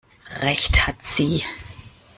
Recht hat sie!